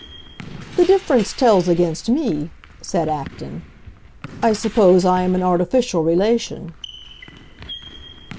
"The difference tells against me," said Acton. "I suppose I am an artificial relation."